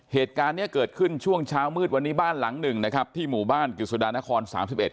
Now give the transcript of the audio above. เหตุการณ์เนี้ยเกิดขึ้นช่วงเช้ามืดวันนี้บ้านหลังหนึ่งนะครับที่หมู่บ้านกฤษฎานครสามสิบเอ็ด